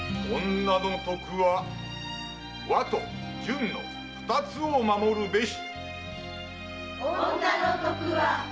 「女の徳は和と順の二つを守るべし」